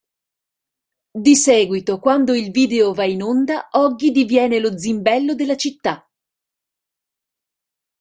Di seguito, quando il video va in onda, Oggy diviene lo zimbello della città.